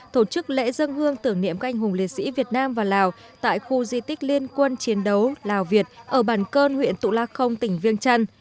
thổ chức lễ dân hương tưởng niệm các anh hùng liên sĩ việt nam và lào tại khu di tích liên quân chiến đấu lào việt ở bản cơn huyện tụ la không tỉnh viêng trăn